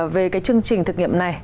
về cái chương trình thực nghiệm này